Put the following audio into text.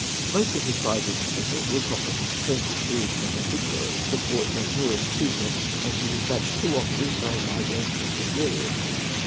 Most of his prizes and prisoners Lord Cochrane sent into Pernambuco, the port then nearest to him, and he despatched two officers to hold Bahia for Brazil.